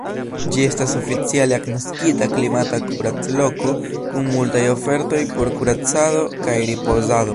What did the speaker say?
Ĝi estas oficiale agnoskita klimata kuracloko kun multaj ofertoj por kuracado kaj ripozado.